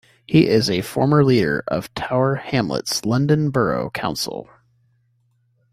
He is a former leader of Tower Hamlets London Borough Council.